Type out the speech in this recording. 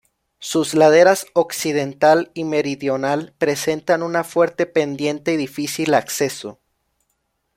Sus laderas occidental y meridional presentan una fuerte pendiente y difícil acceso.